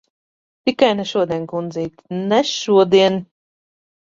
Tikai ne šodien, kundzīt. Ne šodien!